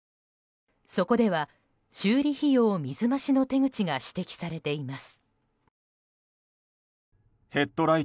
そこでは修理費用水増しの手口が指摘されています。